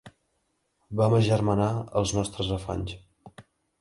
Vam agermanar els nostres afanys.